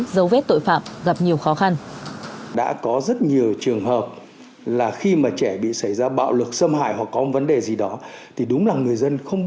giấu vết tội phạm gặp nhiều khó khăn